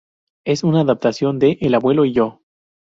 Es una adaptación de "El abuelo y yo".